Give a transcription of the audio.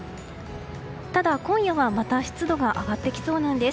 ただ、今夜はまた湿度が上がってきそうなんです。